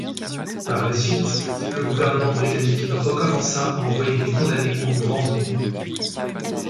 Par la suite, le gouvernement britannique recommença à envoyer des condamnés en grand nombre.